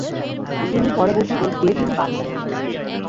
তিনি পরবর্তীতে "গেভিন" বাদ দেন।